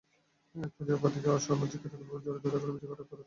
একপর্যায়ে বাদীকে অসামাজিক কার্যকলাপে জড়িত থাকার অভিযোগে আটক করে থানায় নিয়ে যান।